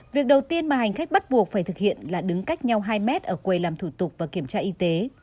việc đầu tiên mà hành khách bắt buộc phải thực hiện là đứng cách nhau hai mét ở quầy làm thủ tục và kiểm tra y tế